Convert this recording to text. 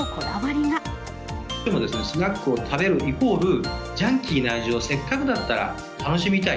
スナックを食べるイコール、ジャンキーな味をせっかくだったら楽しみたい。